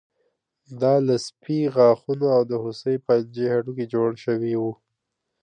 دا له سپي غاښونو او د هوسۍ پنجې هډوکي جوړ شوي وو